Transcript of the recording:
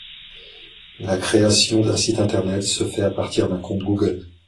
La création d'un site internet se fait à partir d'un compte Google.